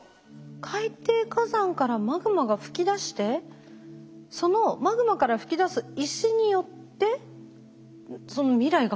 海底火山からマグマが噴き出してそのマグマから噴き出す石によってその未来が変わる？